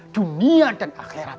dunia dan akhirat